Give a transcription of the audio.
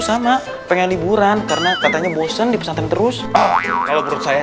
sama pengen liburan karena katanya bosen di pesantren terus kayaknya rubrahnya